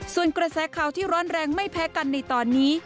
ส่วนกระแสข่าวที่ร้อนแรงไม่แพ้กันในตอนนี้